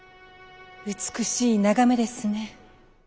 美しい眺めですね。